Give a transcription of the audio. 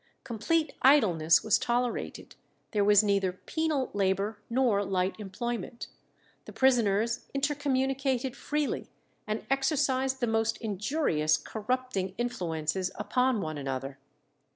Complete idleness was tolerated; there was neither penal labour nor light employment. The prisoners inter communicated freely, and exercised the most injurious, corrupting influences upon one another.